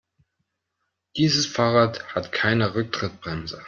Dieses Fahrrad hat keine Rücktrittbremse.